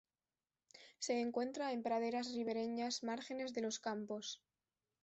Se encuentra en praderas ribereñas, márgenes de los campos.